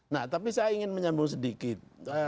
nah tapi saya ingin menyambung sedikit